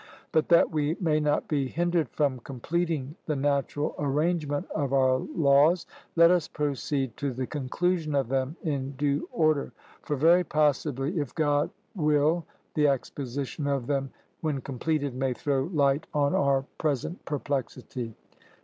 But that we may not be hindered from completing the natural arrangement of our laws, let us proceed to the conclusion of them in due order; for very possibly, if God will, the exposition of them, when completed, may throw light on our present perplexity.